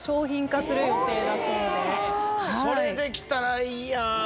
それできたらいいやん。